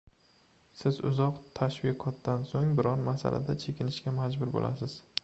Siz uzoq tashviqotdan so‘ng biron masalada chekinishga majbur bo‘lasiz